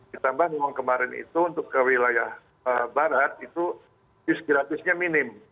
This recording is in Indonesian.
ditambah memang kemarin itu untuk ke wilayah barat itu tips gratisnya minim